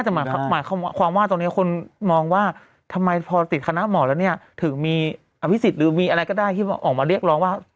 แต่หมายความว่าตอนนี้คนมองว่าทำไมพอติดคณะหมอแล้วเนี่ยถึงมีอภิษฎหรือมีอะไรก็ได้ที่ออกมาเรียกร้องว่า